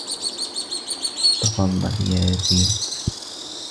تفضّل يا جيم.